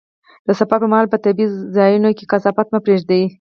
د سفر پر مهال په طبیعي ځایونو کې کثافات مه پرېږده.